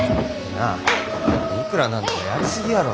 なあいくら何でもやり過ぎやろ。